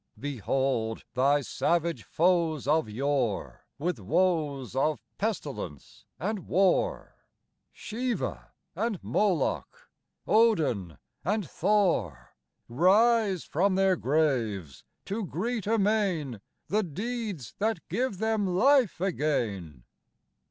Behold thy savage foes of yore With woes of pestilence and war, Siva and Moloch, Odin and Thor, Rise from their graves to greet amain The deeds that give them life again.